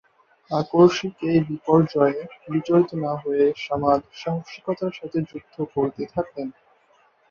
আকস্মিক এ বিপর্যয়ে বিচলিত না হয়ে সামাদ সাহসিকতার সাথে যুদ্ধ করতে থাকলেন।